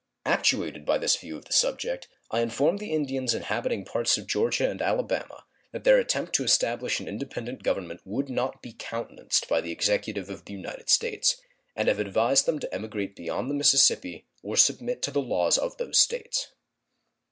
Actuated by this view of the subject, I informed the Indians inhabiting parts of Georgia and Alabama that their attempt to establish an independent government would not be countenanced by the Executive of the United States, and advised them to emigrate beyond the Mississippi or submit to the laws of those States.